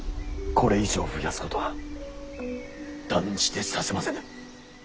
これ以上増やすことは断じてさせませぬ。